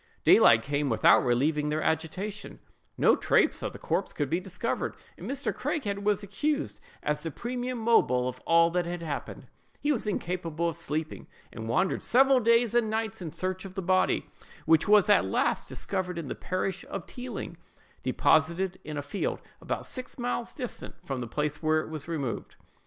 Daylight came without relieving their agitation; no trace of the corpse could be discovered, and Mr. Craighead was accused as the primum mobile of all that had happened: he was incapable of sleeping, and wandered several days and nights in search of the body, which was at last discovered in the parish of Tealing, deposited in a field, about six miles distant from the place whence it was removed.